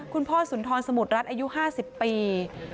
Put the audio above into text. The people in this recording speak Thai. คุณพ่อสุนทรสมุทรรัฐอายุ๕๐ปี